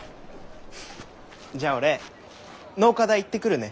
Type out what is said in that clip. じゃあ俺農科大行ってくるね。